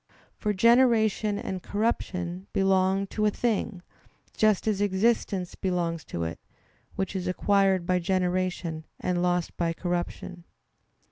For generation and corruption belong to a thing, just as existence belongs to it, which is acquired by generation and lost by corruption.